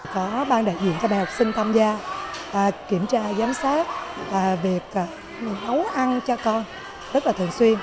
có ban đại diện các bài học sinh tham gia kiểm tra giám sát và việc nấu ăn cho con rất là thường xuyên